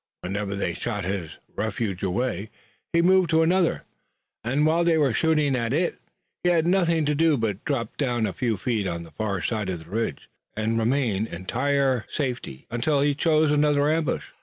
Whenever they shot his refuge away he moved to another, and, while they were shooting at it he had nothing to do but drop down a few feet on the far side of the ridge and remain in entire safety until he chose another ambush.